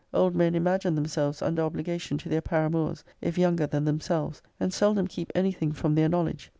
Old men imagine themselves under obligation to their para >>> mours, if younger than themselves, and seldom keep any thing from their knowledge.